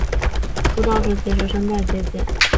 出道时其实声带结茧。